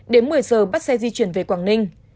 đến một mươi giờ bắt xe di chuyển về quảng ninh